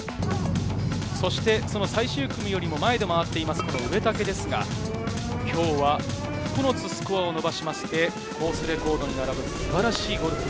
最終組よりも前で回っている植竹ですが、今日は９つスコアを伸ばしましてコースレコードに並ぶ素晴らしいゴルフ。